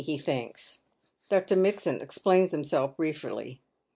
" he thinks. Dr. Mitsand explains himself briefly.